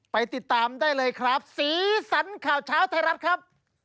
ไปติดตามได้เลยครับสีสันข่าวเช้าไทยรัฐครับ